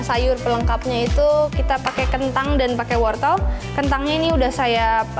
sayur pelengkapnya itu kita pakai kentang dan pakai wortel kentangnya ini udah saya